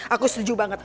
aku setuju banget